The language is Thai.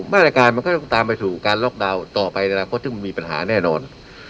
มาตรการมันก็ต้องตามไปสู่การล็อกดาวน์ต่อไปในอนาคตซึ่งมันมีปัญหาแน่นอน